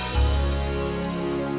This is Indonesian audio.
dia udah nodain aku aida